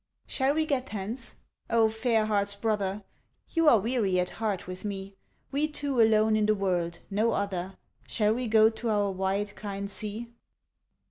Shall we get hence? O fair heart's brother! You are weary at heart with me, We two alone in the world, no other: Shall we go to our wide kind sea?